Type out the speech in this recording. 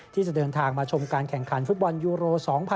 ที่จะเดินทางมาชมการแข่งขันฟุตบอลยูโร๒๐๑๖